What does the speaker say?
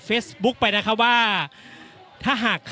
อย่างที่บอกไปว่าเรายังยึดในเรื่องของข้อ